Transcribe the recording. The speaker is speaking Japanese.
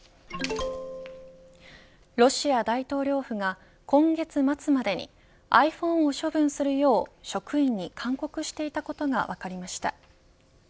ロシア大統領府が今月末までにｉＰｈｏｎｅを処分するよう職員に勧告していたことが分かりました。